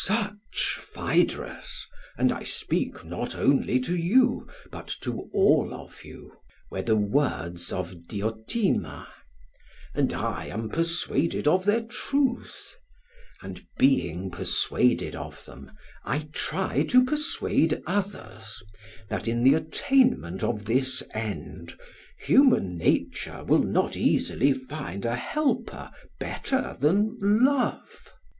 "Such, Phaedrus and I speak not only to you, but to all of you were the words of Diotima; and I am persuaded of their truth. And being persuaded of them, I try to persuade others, that in the attainment of this end human nature will not easily find a helper better than Love.